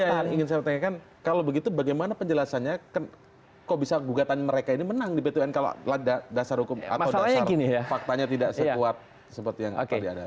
ini yang ingin saya pertanyakan kalau begitu bagaimana penjelasannya kok bisa gugatan mereka ini menang di b dua n kalau ada dasar hukum atau dasar faktanya tidak sekuat seperti yang tadi ada cerita